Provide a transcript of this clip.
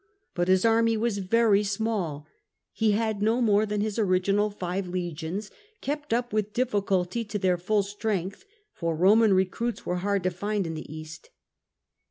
But his army was very small: he had no more than his original five legions, kept up with difficulty to their full strength, for Eoman recruits were hard to find in the East.